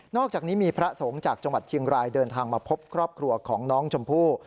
อกจากนี้มีพระสงฆ์จากจังหวัดเชียงรายเดินทางมาพบครอบครัวของน้องชมพู่